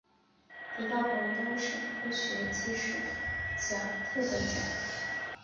得到广东省科学技术奖特等奖。